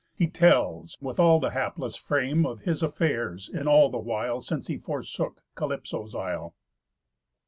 He tells, with all the hapless frame Of his affairs in all the while Since he forsook Calypso's isle.